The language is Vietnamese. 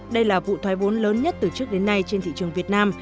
đây là vụ thoái vốn lớn nhất từ trước đến nay trên thị trường việt nam